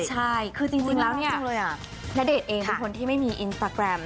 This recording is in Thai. ใช่คือจริงแล้วณเดชน์เองเป็นคนที่ไม่มีอินสตาแกรม